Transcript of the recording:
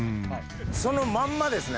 そのまんまですね。